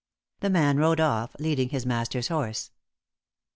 The man rode off, leading his master's horse.